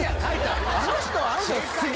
あの人。